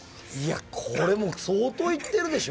これ、もう相当いっているでしょ。